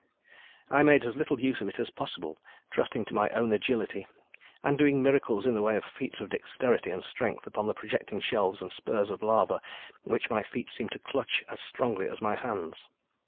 I made as little use of it as possible, trusting to my own agility and doing miracles in the way of feats of dexterity and strength upon the projecting shelves and spurs of lava which my feet seemed to clutch as strongly as my hands.